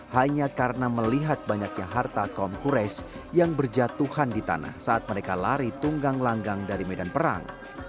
hanya karena melihat banyaknya harta kaum qurais yang berjatuhan di tanah saat mereka lari tunggang langgang dari medan perang